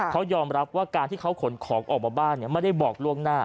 เขายอมรับว่าการที่เขาขนของออกมาบ้านไม่ได้บอกล่วงหน้า